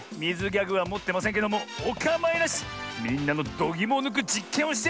ギャグはもってませんけどもおかまいなし！